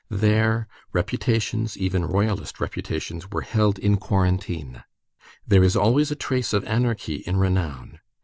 There reputations, even Royalist reputations, were held in quarantine. There is always a trace of anarchy in renown.